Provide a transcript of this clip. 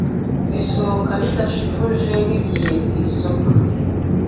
bisohoka bidasokoje bigiye mw’isoko